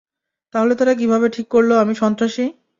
তাহলে তারা কিভাবে ঠিক করলো, আমি সন্ত্রাসী?